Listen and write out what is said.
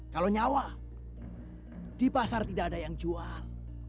kalau nyawa di pasar tidak ada yang jual